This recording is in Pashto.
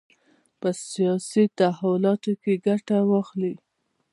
په سیاسي تحولاتو کې ګټه واخلي.